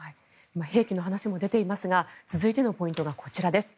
兵器の話も出ていますが続いてのポイントがこちらです。